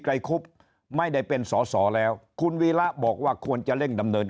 คุบไม่ได้เป็นสอสอแล้วคุณวีระบอกว่าควรจะเร่งดำเนิน